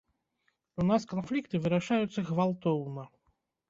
У нас канфлікты вырашаюцца гвалтоўна.